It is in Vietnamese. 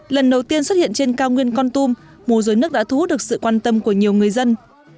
lần đầu tiên xuất hiện trên cao nguyên con tum mùa dối nước đã thu hút được sự quan tâm của nhiều người dân